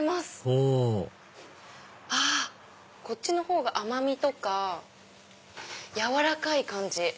ほうこっちのほうが甘みとかやわらかい感じ。